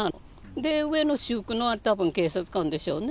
で、上の私服の、たぶん警察官でしょうね。